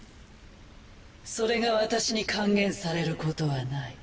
それが私に還元されることはない。